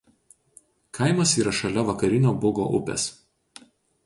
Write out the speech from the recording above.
Kaimas yra šalia Vakarinio Bugo upės.